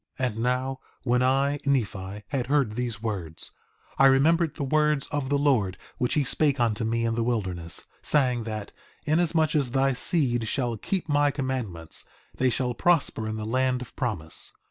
4:14 And now, when I, Nephi, had heard these words, I remembered the words of the Lord which he spake unto me in the wilderness, saying that: Inasmuch as thy seed shall keep my commandments, they shall prosper in the land of promise.